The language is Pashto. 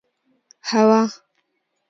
هوه